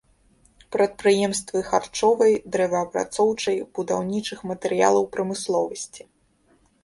Прадпрыемствы харчовай, дрэваапрацоўчай, будаўнічых матэрыялаў прамысловасці.